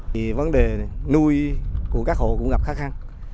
vấn đề nuôi của các hộ cũng gặp khả khắc